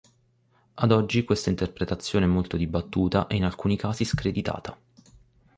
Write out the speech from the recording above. Ad oggi questa interpretazione è molto dibattuta e in alcuni casi screditata.